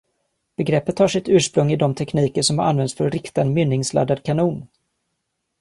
Begreppet har sitt ursprung i de tekniker som används för att rikta en mynningsladdad kanon